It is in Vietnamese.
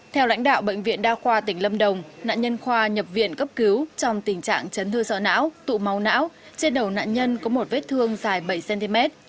theo lãnh đạo bệnh viện đa khoa tỉnh lâm đồng nạn nhân khoa nhập viện cấp cứu trong tình trạng chấn thương sọ não tụ máu não trên đầu nạn nhân có một vết thương dài bảy cm